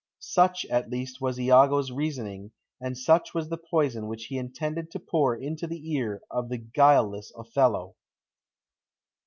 Such, at least, was Iago's reasoning, and such was the poison which he intended to pour into the ear of the guileless Othello.